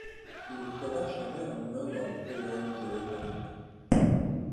Il sera changer en humain dans Power rangers dans l'espace.